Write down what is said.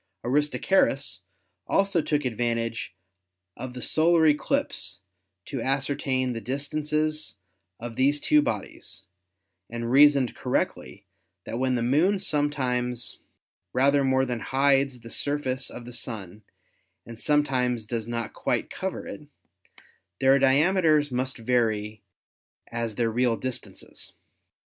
Aristarchus also took advantage of the solar eclipse to ascertain the distances of these two bodies, and reasoned correctly that when the Moon sometimes rather more than hides the surface of the Sun and some times does not quite cover it, their diameters must vary as their real distances.